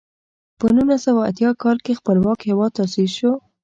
په نولس سوه اتیا کال کې خپلواک هېواد تاسیس شو.